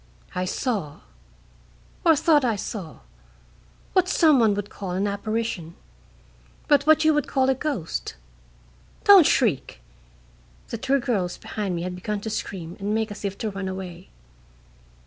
I saw or thought I saw what some would call an apparition, but what you would call a ghost. Don't shriek!" (The two girls behind me had begun to scream and make as if to run away.)